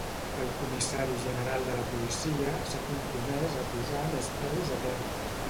El comissari general de la policia s'ha compromès a posar més peus a terra.